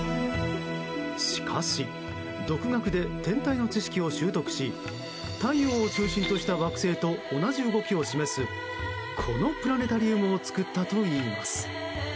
しかし、独学で天体の知識を習得し太陽を中心とした惑星と同じ動きを示すこのプラネタリウムを作ったといいます。